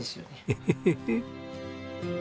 ヘヘヘヘッ。